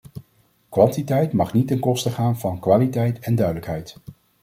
Kwantiteit mag niet ten koste gaan van kwaliteit en duidelijkheid.